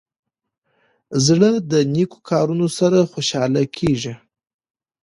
زړه د نیکو کارونو سره خوشحاله کېږي.